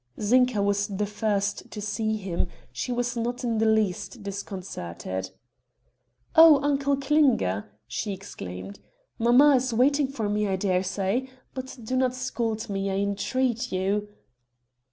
Zinka was the first to see him; she was not in the least disconcerted. "Oh! Uncle Klinger!" she exclaimed. "Mamma is waiting for me, I dare say! but do not scold me, I entreat you